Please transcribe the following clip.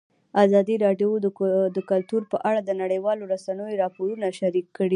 ازادي راډیو د کلتور په اړه د نړیوالو رسنیو راپورونه شریک کړي.